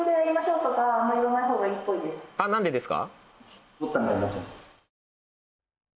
何でですか？